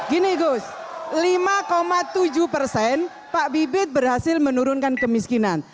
gini gus lima tujuh persen pak bibit berhasil menurunkan kemiskinan